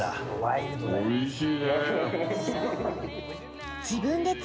おいしい。